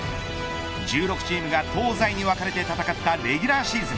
１６チームが東西に分かれて戦ったレギュラーシーズン。